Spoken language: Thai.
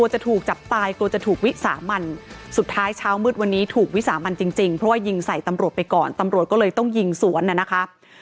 หยุดไปก่อนตำรวจก็เลยต้องยิงสวนนะครับ